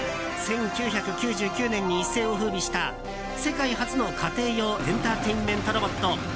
１９９９年に一世を風靡した世界初の家庭用エンターテインメントロボット